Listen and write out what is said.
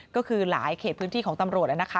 ก็คือหลายเขตพื้นที่ของตำรวจแล้วนะคะ